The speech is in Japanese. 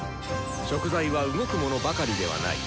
食材は動くものばかりではない。